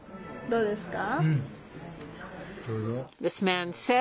どうですか？